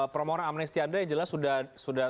promora amnesti anda yang jelas sudah